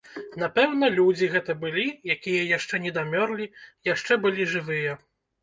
Напэўна, людзі гэта былі, якія яшчэ недамёрлі, яшчэ былі жывыя.